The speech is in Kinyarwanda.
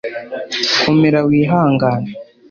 komera wihangane